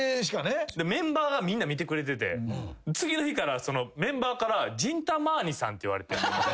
メンバーがみんな見てくれてて次の日からメンバーから。って言われて。